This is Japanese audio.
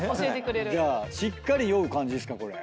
じゃあしっかり酔う感じですか。